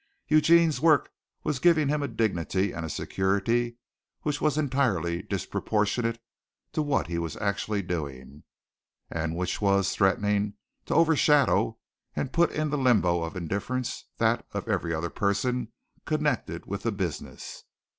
Eugene's work was giving him a dignity and a security which was entirely disproportionate to what he was actually doing and which was threatening to overshadow and put in the limbo of indifference that of every other person connected with the business.